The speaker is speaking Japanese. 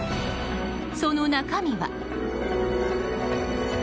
その中身は。